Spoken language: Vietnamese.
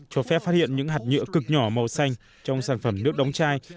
cho phép phát hiện những hạt nhựa cực nhỏ màu xanh trong sản phẩm nước đóng chai